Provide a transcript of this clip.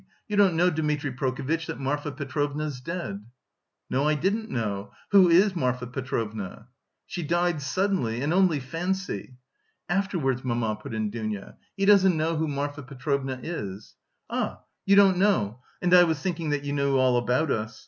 You don't know, Dmitri Prokofitch, that Marfa Petrovna's dead!" "No, I didn't know; who is Marfa Petrovna?" "She died suddenly; and only fancy..." "Afterwards, mamma," put in Dounia. "He doesn't know who Marfa Petrovna is." "Ah, you don't know? And I was thinking that you knew all about us.